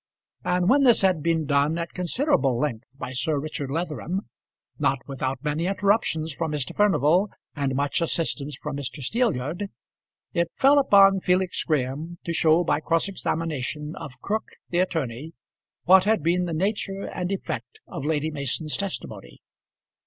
And when this had been done at considerable length by Sir Richard Leatherham, not without many interruptions from Mr. Furnival and much assistance from Mr. Steelyard, it fell upon Felix Graham to show by cross examination of Crook the attorney, what had been the nature and effect of Lady Mason's testimony.